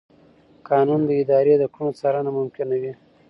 قانون د ادارې د کړنو څارنه ممکنوي.